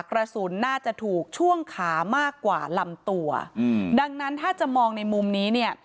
กระสุนน่าจะถูกช่วงขามากกว่าลำตัวอืมดังนั้นถ้าจะมองในมุมนี้เนี่ย